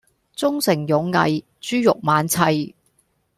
忠誠勇毅豬肉猛砌